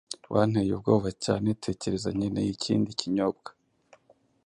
Wanteye ubwoba cyane, tekereza nkeneye ikindi kinyobwa